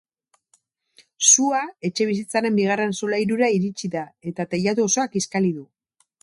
Sua etxebizitzaren bigarren solairura iritsi da, eta teilatu osoa kiskali du.